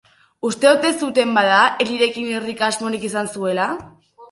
Uste ote zuten bada, Elirekin irrika-asmorik izan zuela?